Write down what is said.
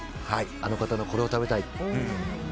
あの方のこれを食べたいと。